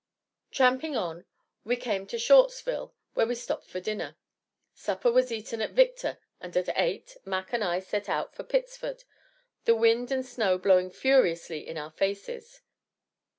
Tramping on, we came to Shortsville, where we stopped for dinner. Supper was eaten at Victor, and at eight, Mac and I set out for Pittsford, the wind and snow blowing furiously in our faces.